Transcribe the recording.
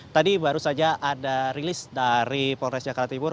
tadi baru saja ada rilis dari polres jakarta timur